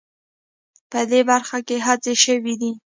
په دې برخه کې هڅې شوې دي